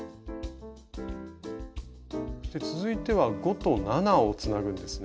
続いては５と７をつなぐんですね？